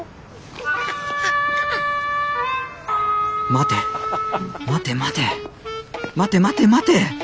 待て待て待て待て待て待て！